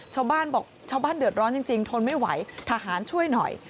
ชาวบ้านบอกชาวบ้านเดือดร้อนจริงทนไม่ไหวทหารช่วยหน่อย